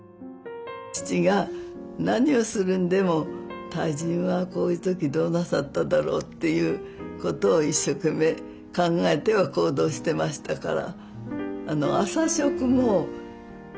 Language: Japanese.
父が何をするんでも大人はこういう時どうなさっただろうっていうことを一生懸命考えては行動してましたから。